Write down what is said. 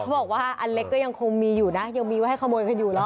บอกว่าอันเล็กก็ยังคงมีอยู่นะยังมีไว้ให้ขโมยกันอยู่เนอ